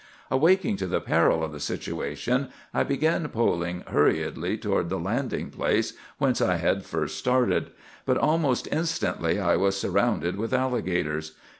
"Awaking to the peril of the situation, I began poling hurriedly toward the landing place whence I had first started. But almost instantly I was surrounded with alligators.